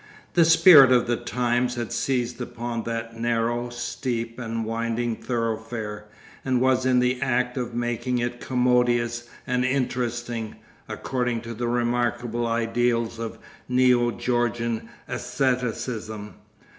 The spirit of the times had seized upon that narrow, steep, and winding thoroughfare, and was in the act of making it commodious and interesting, according to the remarkable ideals of Neo Georgian æstheticism.